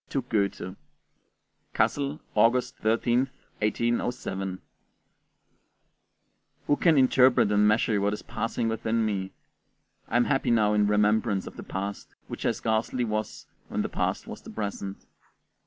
TO GOETHE CASSEL, August 13th, 1807. Who can interpret and measure what is passing within me? I am happy now in remembrance of the past, which I scarcely was when that past was the present.